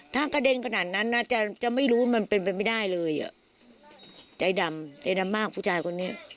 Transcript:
ถ้ากระเด็นขนาดนั้นนะจะไม่รู้มันเป็นไปไม่ได้เลยอ่ะใจดำใจดำมากผู้ชายคนนี้